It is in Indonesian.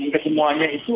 dan dumbbellnya itu